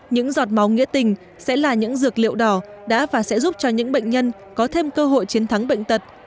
những giọt máu nghĩa tình sẽ là những dược liệu đỏ đã và sẽ giúp cho những bệnh nhân có thêm cơ hội chiến thắng bệnh tật